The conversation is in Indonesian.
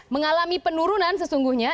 mengalami penurunan sesungguhnya